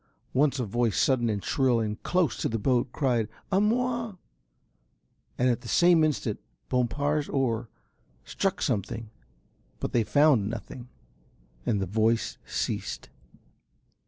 Once a voice sudden and shrill and close to the boat cried "A moi," and at the same instant Bompard's oar struck something, but they found nothing, the voice had ceased.